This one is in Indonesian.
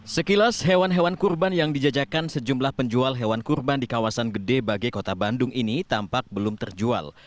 sekilas hewan hewan kurban yang dijajakan sejumlah penjual hewan kurban di kawasan gede bage kota bandung ini tampak belum terjual